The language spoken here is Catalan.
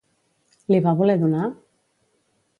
Li va voler donar?